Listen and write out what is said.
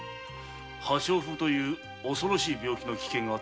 破傷風という恐ろしい病気の危険があったのだ。